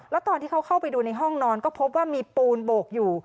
แล้วตอนที่เขาเข้าไปดูในห้องนอนก็พบว่ามีปูนโบกอยู่